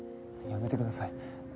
やめてください。